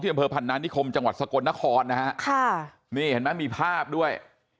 อำเภอพันนานิคมจังหวัดสกลนครนะฮะค่ะนี่เห็นไหมมีภาพด้วย